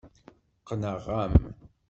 Qqneɣ-am.